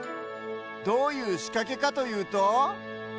どういうしかけかというと。